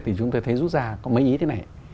thì chúng tôi thấy rút ra có mấy ý thế này